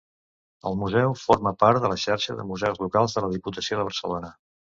El Museu forma part de la Xarxa de Museus Locals de la Diputació de Barcelona.